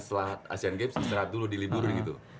setelah asean games setelah dulu di libur gitu